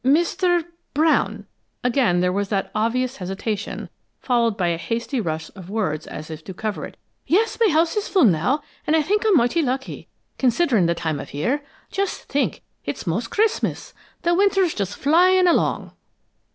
"Mr. Brown." Again there was that obvious hesitation, followed by a hasty rush of words as if to cover it. "Yes, my house is full now, and I think I'm mighty lucky, considering the time of year. Just think, it's most Christmas! The winter's just flyin' along!"